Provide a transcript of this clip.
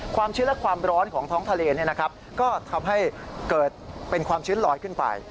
ชื้นและความร้อนของท้องทะเลก็ทำให้เกิดเป็นความชื้นลอยขึ้นไป